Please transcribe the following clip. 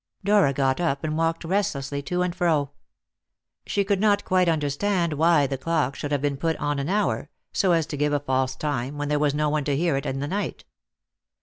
Dora got up, and walked restlessly to and fro. She could not quite understand why the clock should have been put on an hour, so as to give a false time, when there was no one to hear it in the night.